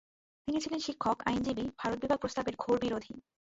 তিনি ছিলেন শিক্ষক, আইনজীবী, ভারতবিভাগ প্রস্তাবের ঘোরবিরোধী।